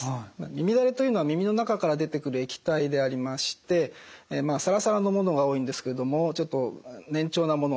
耳だれというのは耳の中から出てくる液体でありましてサラサラのものが多いんですけれどもちょっと粘稠なもの